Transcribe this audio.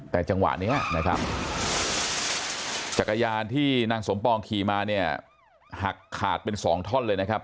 แต่จังหวะนี้นะครับจักรยานที่นางสมปองขี่มาเนี่ยหักขาดเป็นสองท่อนเลยนะครับ